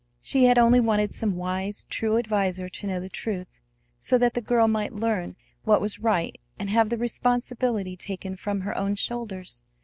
She had only wanted some wise, true adviser to know the truth, so that the girl might learn what was right and have the responsibility taken from her own shoulders.